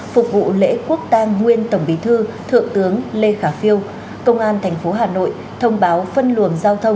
phục vụ lễ quốc tăng nguyên tổng bí thư thượng tướng lê khả phiêu công an tp hà nội